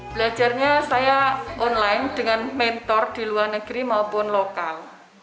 belajarnya saya online dengan mentor di luar negeri maupun lokal